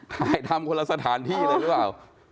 ถ่ายทำคนละสถานที่เลยหรือเปล่า